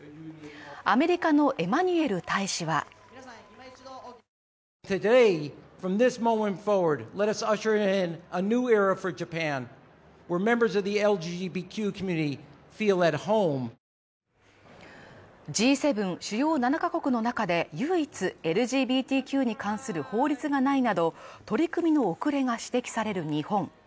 アメリカのエマニュエル大使はＧ７＝主要７か国の中で唯一、ＬＧＢＴＱに関する法律がないなど取り組みの遅れが指摘される日本。